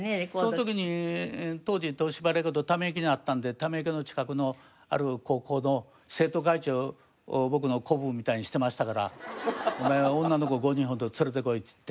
その時に当時東芝レコード溜池にあったので溜池の近くのある高校の生徒会長を僕の子分みたいにしていましたから「お前女の子５人ほど連れてこい」っつって。